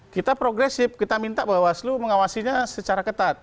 kita progresif kita minta bawaslu mengawasinya secara ketat